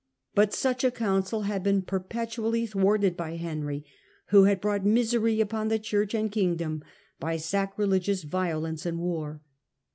But such a council had been perpetually thwarted by Henry, who had brought misery upon the Church and kingdom by sacrilegious violence and war.